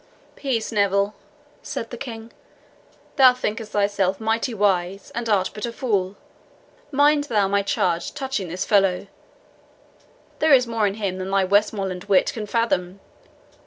"Peace, Neville," said the King; "thou thinkest thyself mighty wise, and art but a fool. Mind thou my charge touching this fellow; there is more in him than thy Westmoreland wit can fathom.